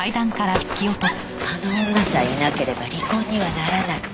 あの女さえいなければ離婚にはならない。